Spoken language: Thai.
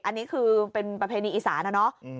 อันนี้คือเป็นประเพณีอีสานนะเนาะ